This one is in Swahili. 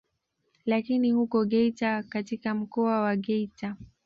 Lakini huko Geita katika mkoa wa Geita